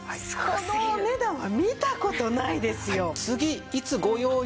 このお値段は見た事ないですよ。